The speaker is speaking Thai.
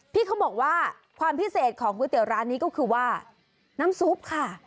พี่เขาบอกว่าความพิเศษของก๋วยเตี๋ยวร้านนี้ก็คือว่าน้ำซุปค่ะ